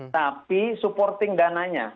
tapi supporting dananya